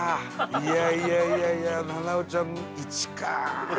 いやいやいやいや菜々緒ちゃん「１」かあ！